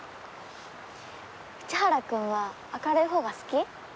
内原君は明るいほうが好き？